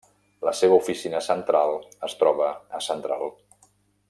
La seva oficina central es troba a Central.